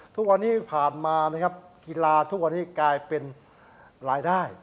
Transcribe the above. ทุกวันนี้ผ่านมานะครับกีฬาทุกวันนี้กลายเป็นรายได้